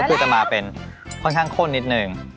คือจะมาเป็นค่อนข้างข้นนิดนึง